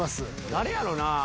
誰やろな？